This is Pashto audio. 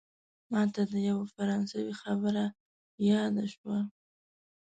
ماته د یوه فرانسوي خبره یاده شوه.